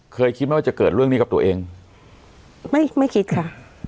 เคยคิดไหมว่าจะเกิดเรื่องนี้กับตัวเองไม่ไม่คิดค่ะ